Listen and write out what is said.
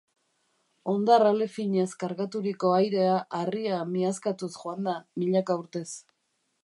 Hondar-ale finez kargaturiko airea harria miazkatuz joan da milaka urtez.